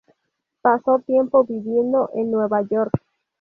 Pasó tiempo viviendo en Nueva York.